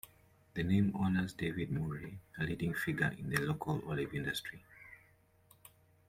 The name honors David Murray, a leading figure in the local olive industry.